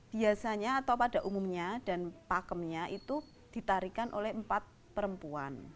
biasanya atau pada umumnya dan pakemnya itu ditarikan oleh empat perempuan